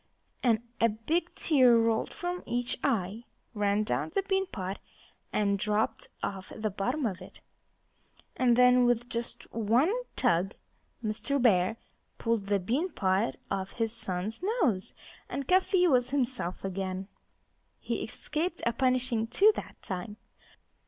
And a big tear rolled from each eye, ran down the bean pot, and dropped off the bottom of it. And then, with just one tug Mr. Bear pulled the bean pot off his son's nose; and Cuffy was himself again. He escaped a punishing, too, that time.